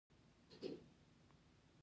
کله چې پریوځئ ساه مو بندیږي؟